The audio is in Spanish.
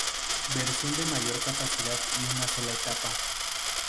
Versión de mayor capacidad y una sola etapa.